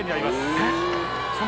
えっ？